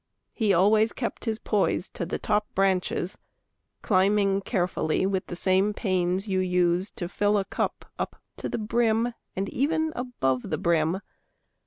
He always kept his poise To the top branches, climbing carefully With the same pains you use to fill a cup Up to the brim, and even above the brim.